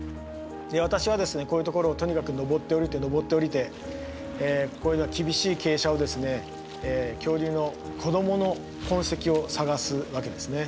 私はですねこういうところをとにかく登って下りて登って下りて厳しい傾斜をですね恐竜の子供の痕跡を探すわけですね。